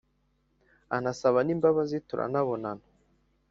anasaba n’imbabazi. turanabonana